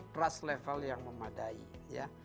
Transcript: trust level yang memadai ya